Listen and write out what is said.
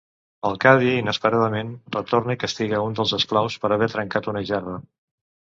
El cadi, inesperadament, retorna i castiga un dels esclaus per haver trencat una gerra.